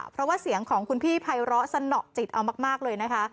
เพราะว่าเสียงของคุณพี่ภัยร้อสนอจิตเอามากเลยนะคะ